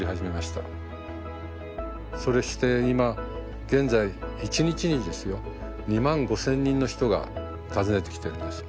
それして今現在一日にですよ２万５，０００人の人が訪ねてきてるんです。